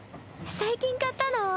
最近買ったの？